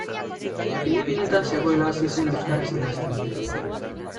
Filipinetan zegoela hasi zen euskaraz idazten.